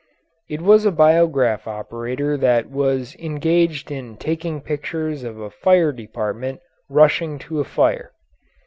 ] It was a biograph operator that was engaged in taking pictures of a fire department rushing to a fire.